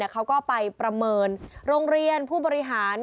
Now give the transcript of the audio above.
เขาก็ไปประเมินโรงเรียนผู้บริหาร